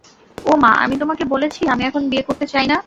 ও মা, আমি তোমাকে বলেছি, আমি এখন বিয়ে করতে চাই না।